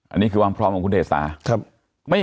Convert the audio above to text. อันนี้คือความพร้อมของคุณเดสา